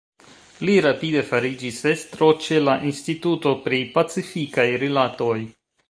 Li rapide fariĝis estro ĉe la Instituto pri Pacifikaj Rilatoj.